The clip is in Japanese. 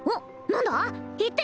何だ？